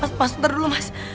mas mas sebentar dulu mas